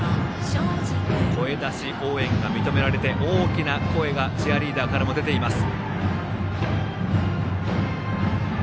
声出し応援が認められて大きな声がチアリーダーからも出ています。